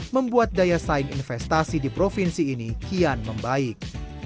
membuat daya saing investasi di provinsi ini kian membaik